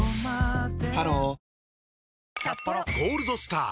ハロー「ゴールドスター」！